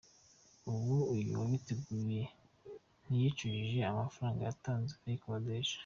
Ubu uyu wabiteguye ntiyicujije amafaranga yatanze ayikodesha.